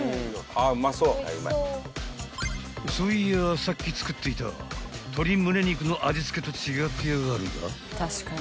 ［そういやさっき作っていた鶏ムネ肉の味付けと違ってやがるが］